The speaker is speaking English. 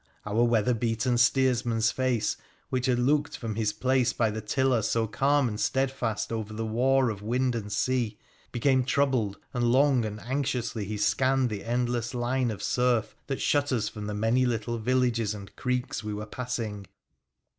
Our weather beaten steers man's face, which had looked from his place by the tiller so calm and steadfast over the war of wind and sea, became troubled, and long and anxiously he scanned the endless line of surf that shut us from the many little villages and creeks we were passing.